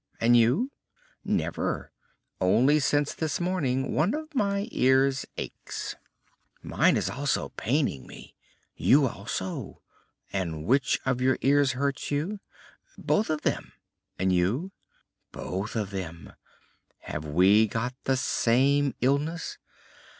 And you?" "Never. Only since this morning one of my ears aches." "Mine is also paining me." "You also? And which of your ears hurts you?" "Both of them. And you?" "Both of them. Can we have got the same illness?"